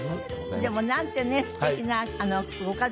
でもなんてねえ素敵なご家族。